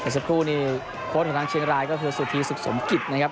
สักครู่นี่โค้ชของทางเชียงรายก็คือสุธีสุขสมกิจนะครับ